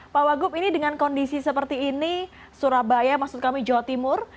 pak wagub ini dengan kondisi seperti ini surabaya maksud kami jawa timur